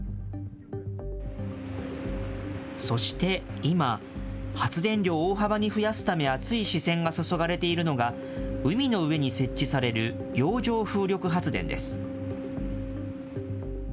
そして今、発電量を大幅に増やすため熱い視線が注がれているのが、海の上に設置される洋上風力発電です。